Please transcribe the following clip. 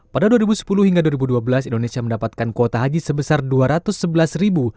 pada dua ribu sepuluh hingga dua ribu dua belas indonesia mendapatkan kuota haji sebesar dua ratus sebelas ribu